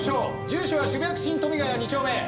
住所は渋谷区新富ヶ谷２丁目。